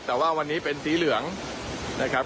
แต่ว่าวันนี้เป็นสีเหลืองนะครับ